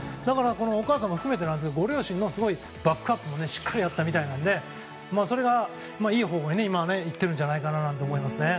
お母さんも含めてなんですけどご両親のバックアップもあったみたいなのでそれがいい方向にいっているんじゃないかなと思いますね。